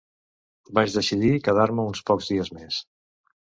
Vaig decidir quedar-me uns pocs dies més.